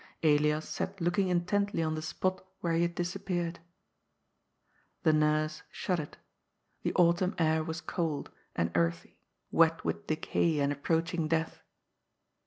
Elias sat looking intently on the spot where he had disappeared. The nurse shuddered. The autumn air was cold, and earthy, wet with decay and approaching death.